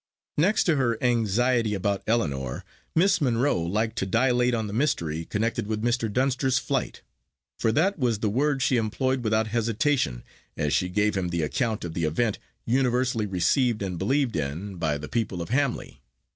Next to her anxiety about Ellinor, Miss Monro liked to dilate on the mystery connected with Mr. Dunster's flight; for that was the word she employed without hesitation, as she gave him the account of the event universally received and believed in by the people of Hamley.